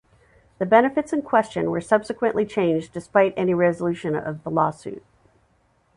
The benefits in question were subsequently changed despite any resolution of the lawsuit.